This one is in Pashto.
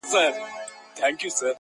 چي په مزار بغلان کابل کي به دي ياده لرم.